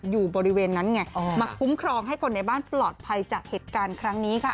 อยู่บริเวณนั้นไงมาคุ้มครองให้คนในบ้านปลอดภัยจากเหตุการณ์ครั้งนี้ค่ะ